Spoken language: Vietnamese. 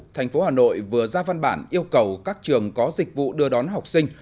tp hà nội vừa ra văn bản yêu cầu các trường có dịch vụ đưa đón học sinh